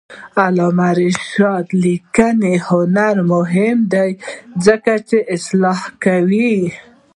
د علامه رشاد لیکنی هنر مهم دی ځکه چې اصلاح کوي.